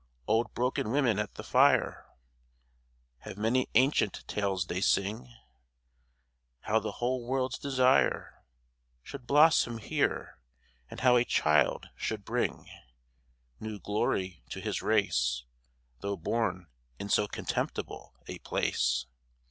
Old broken women at the fire Have many ancient tales they sing, How the whole world's desire Should blossom here, and how a child should bring New glory to his race Though born in so contemptible a place.